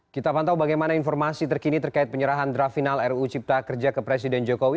kita pantau bagaimana informasi terkini terkait penyerahan draft final ruu cipta kerja ke presiden jokowi